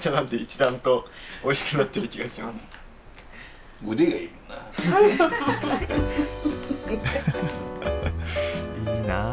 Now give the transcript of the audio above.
いいなあ。